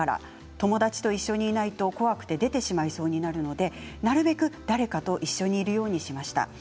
友達と一緒にいないと怖くて電話に出てしまいそうになるのでなるべく誰かと一緒にいるようにしました。